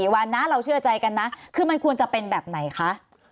วันนะเราเชื่อใจกันนะคือมันควรจะเป็นแบบไหนคะ